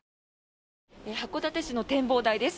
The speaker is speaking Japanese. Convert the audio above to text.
函館市の展望台です。